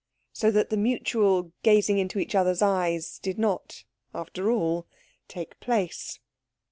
So that the mutual gazing into each other's eyes did not, after all, take place.